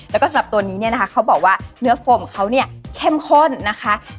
แล้วก็สำหรับตัวนี้เนี่ยนะคะเขาบอกว่าเนื้อโฟมของเขาเนี่ยเข้มข้นนะคะ